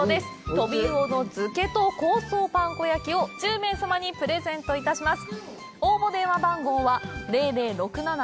トビウオの漬けと香草パン粉焼きを１０名様にプレゼントいたします。